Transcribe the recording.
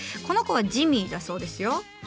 この子はジミーだそうですよ。